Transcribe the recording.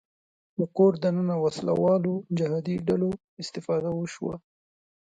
په کور دننه وسله والو جهادي ډلو استفاده وشوه